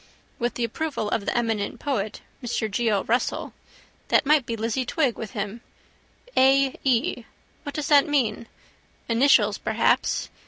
With the approval of the eminent poet, Mr Geo. Russell. That might be Lizzie Twigg with him. A. E.: what does that mean? Initials perhaps.